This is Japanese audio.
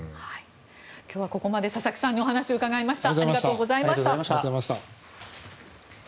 今日はここまで佐々木さんにお話を伺いました。